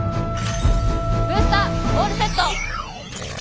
ブースターオールセット！